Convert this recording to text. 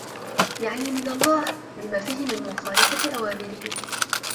يَعْنِي مِنْ اللَّهِ ؛ لِمَا فِيهِ مِنْ مُخَالَفَةِ أَوَامِرِهِ